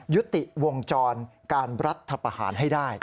ยุติวงจรการรัฐประหารให้ได้